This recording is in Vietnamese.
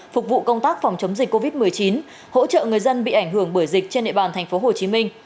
phục vụ công tác phòng chống dịch covid một mươi chín hỗ trợ người dân bị ảnh hưởng bởi dịch trên địa bàn tp hcm